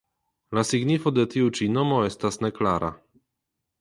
La signifo de tiu ĉi nomo estas neklara.